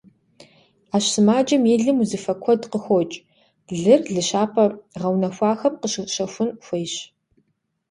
Ӏэщ сымаджэм и лым узыфэ куэд къыхокӏ, лыр лыщапӏэ гъэунэхуахэм къыщыщэхун хуейщ.